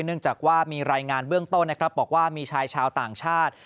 เนื่องจากว่ามีรายงานเบื้องต้นนะครับบอกว่ามีชายชาวต่างชาติ